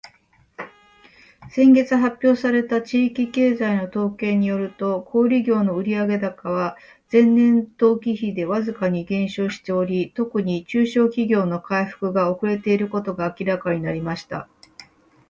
「先月発表された地域経済の統計によると、小売業の売上高は前年同期比でわずかに減少しており、特に中小企業の回復が遅れていることが明らかになりました。」